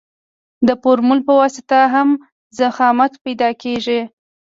د فورمول په واسطه هم ضخامت پیدا کیږي